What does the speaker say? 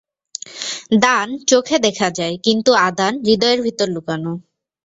দান চোখে দেখা যায়, কিন্তু আদান হৃদয়ের ভিতরে লুকানো।